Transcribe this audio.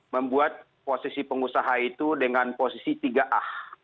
membuat posisi pengusaha itu dengan posisi tiga a